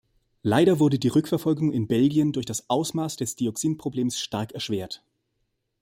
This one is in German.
Leider wurde die Rückverfolgung in Belgien durch das Ausmaß des Dioxinproblems stark erschwert.